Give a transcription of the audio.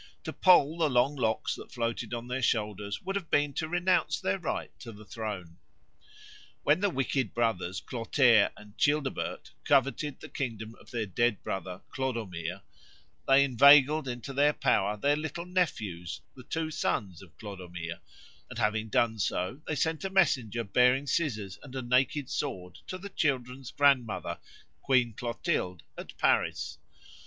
To poll the long locks that floated on their shoulders would have been to renounce their right to the throne. When the wicked brothers Clotaire and Childebert coveted the kingdom of their dead brother Clodomir, they inveigled into their power their little nephews, the two sons of Clodomir; and having done so, they sent a messenger bearing scissors and a naked sword to the children's grandmother, Queen Clotilde, at Paris.